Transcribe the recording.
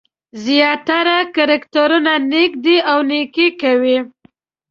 زیاتره کرکټرونه نېک دي او نېکي کوي.